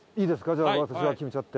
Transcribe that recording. じゃあ私が決めちゃって。